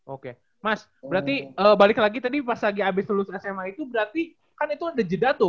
oke mas berarti balik lagi tadi pas lagi habis lulus sma itu berarti kan itu ada jeda tuh